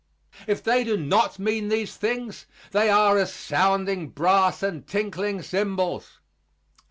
If they do not mean these things they are as sounding brass and tinkling cymbals.